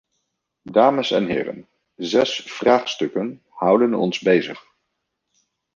Dames en heren, zes vraagstukken houden ons bezig.